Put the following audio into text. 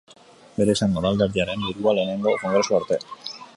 Bera izango da alderdiaren burua lehenengo kongresua arte.